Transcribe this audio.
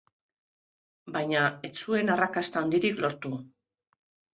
Baina ez zuen arrakasta handirik lortu.